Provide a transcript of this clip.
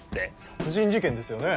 殺人事件ですよね？